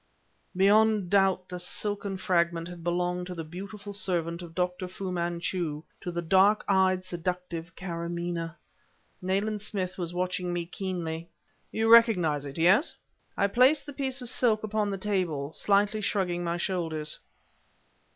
Beyond doubt the silken fragment had belonged to the beautiful servant of Dr. Fu Manchu, to the dark eyed, seductive Karamaneh. Nayland Smith was watching me keenly. "You recognize it yes?" I placed the piece of silk upon the table, slightly shrugging my shoulders.